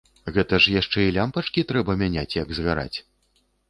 Гэта ж яшчэ і лямпачкі трэба мяняць, як згараць!